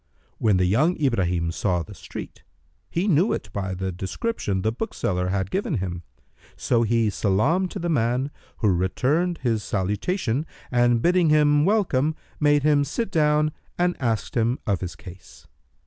When the youth Ibrahim saw the street, he knew it by the description the bookseller had given him; so he salamed to the man, who returned his salutation and bidding him welcome, made him sit down and asked him of his case.